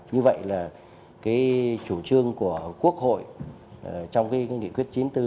như vậy là chủ trương của quốc hội trong nghị quyết chính